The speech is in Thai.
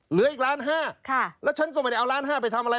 เหลืออีกล้านห้าแล้วฉันก็ไม่ได้เอาล้านห้าไปทำอะไร